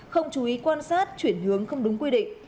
không chú ý quan sát chuyển hướng không đúng quy định